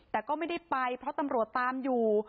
แต่ก็ไม่ได้ไปเพราะตำรวจตามอยู่